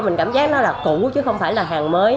mình cảm giác nó là cũ chứ không phải là hàng mới